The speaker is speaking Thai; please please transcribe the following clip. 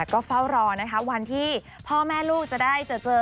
ก็เฝ้ารอนะคะวันที่พ่อแม่ลูกจะได้เจอ